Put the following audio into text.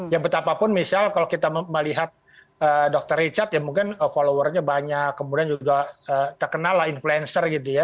ya betapa pun misal kalau kita melihat dr richard mungkin followernya banyak kemudian juga terkenal influencer